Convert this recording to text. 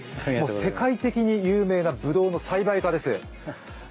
世界的に有名なぶどうの栽培家です。